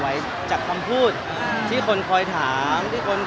หมายถึงว่าความดังของผมแล้วทำให้เพื่อนมีผลกระทบอย่างนี้หรอค่ะ